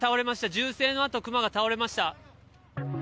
銃声のあとクマが倒れました。